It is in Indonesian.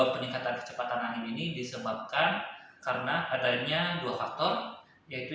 peningkatan kecepatan angin ini disebabkan karena adanya dua faktor yaitu